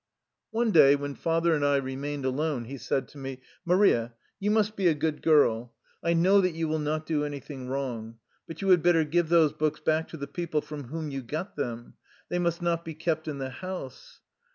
One day when father and I remained alone he said to me : "Maria, you must be a good girl. I know that you will not do anything wrong. But you had better give those books back to the people from whom you got them. They must not be kept in the house."